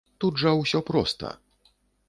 Тут жа ўсё проста.